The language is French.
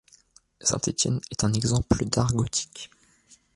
Saint-Étienne est un exemple d'art gothique.